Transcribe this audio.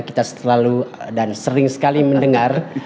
kita selalu dan sering sekali mendengar